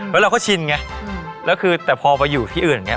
แล้วเราก็ชินไงแล้วคือแต่พอไปอยู่ที่อื่นอย่างนี้